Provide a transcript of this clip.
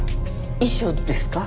遺書ですか？